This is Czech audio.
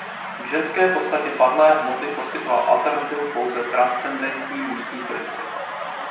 K ženské podstatě padlé hmoty poskytoval alternativu pouze transcendentní mužský princip.